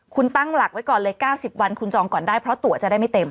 คุณตั้งหลักไว้ก่อนเลย๙๐วันคุณจองก่อนได้เพราะตัวจะได้ไม่เต็ม